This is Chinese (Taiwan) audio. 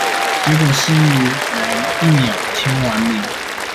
結果市議員一秒簽完名